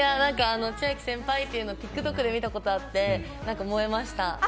千秋先輩っていうのＴｉｋＴｏｋで見たことあって萌えました。